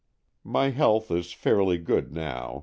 My health is fairly good now.